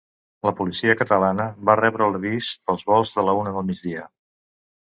La policia catalana va rebre l’avís pels volts de la una del migdia.